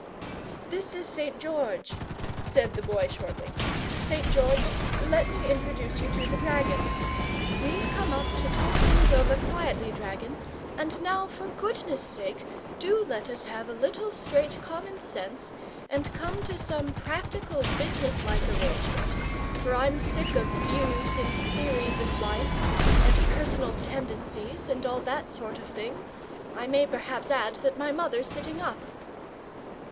"This is St George," said the Boy, shortly. "St. George, let me introduce you to the dragon. We've come up to talk things over quietly, dragon, and now for goodness' sake do let us have a little straight common sense, and come to some practical business like arrangement, for I'm sick of views and theories of life and personal tendencies, and all that sort of thing. I may perhaps add that my mother's sitting up."